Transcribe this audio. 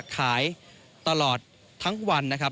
ขายตลอดทั้งวันนะครับ